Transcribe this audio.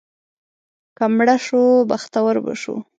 که مړه شو، بختور به شو.